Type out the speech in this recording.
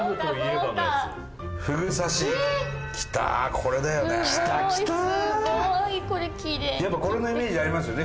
これきれいにやっぱこれのイメージありますよね